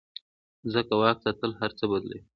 ځکه واک ساتل هر څه بدلوي.